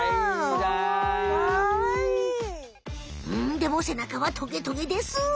でもせなかはトゲトゲです。